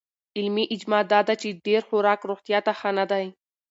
علمي اجماع دا ده چې ډېر خوراک روغتیا ته ښه نه دی.